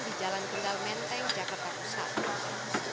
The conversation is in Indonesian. di jalan tinggal menteng jakarta pusat